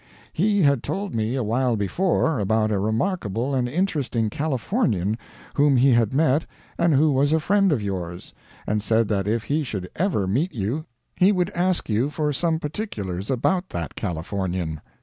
He had told me a while before, about a remarkable and interesting Californian whom he had met and who was a friend of yours, and said that if he should ever meet you he would ask you for some particulars about that Californian.